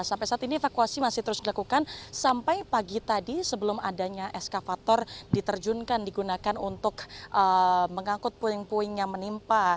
sampai saat ini evakuasi masih terus dilakukan sampai pagi tadi sebelum adanya eskavator diterjunkan digunakan untuk mengangkut puing puing yang menimpa